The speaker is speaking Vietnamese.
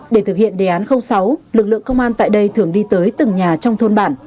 để thực hiện đề án sáu lực lượng công an tại đây thường đi tới từng nhà trong thôn bản